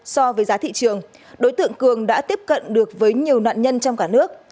so với giá thị trường đối tượng cường đã tiếp cận được với nhiều nạn nhân trong cả nước